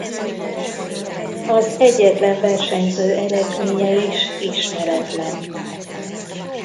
Az egyetlen versenyző eredménye is ismeretlen.